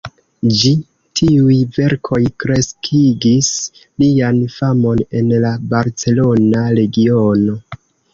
Ĉi tiuj verkoj kreskigis lian famon en la barcelona regiono.